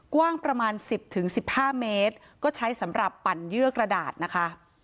กว้างประมาณ๑๐๑๕เมตรก็ใช้สำหรับปั่นเยื่อกระดาษนะคะ